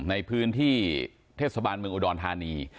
ในพื้นที่เทศบาลเมืองอุดรธานี